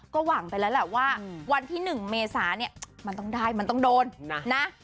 ก็หวังไปแล้วแหละว่าวันที่๑เมษาเนี่ยมันต้องได้มันต้องโดนนะ